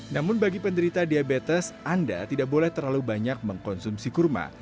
namun bagi penderita diabetes anda tidak boleh terlalu banyak mengkonsumsi kurma